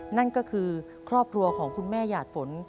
นั่นก็คือครอบครัวของคุณแม่หยาดฝน